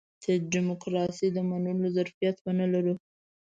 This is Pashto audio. چې د ډيموکراسۍ د منلو ظرفيت ونه لرو.